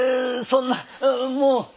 そんなもう。